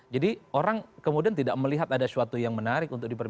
jadi orang kemudian tidak melihat ada sesuatu yang menarik untuk mereka